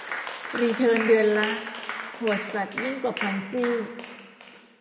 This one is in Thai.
รีเทิร์นเดือนละ โหดสัสยิ่งกว่าพอนซี่